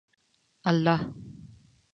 الله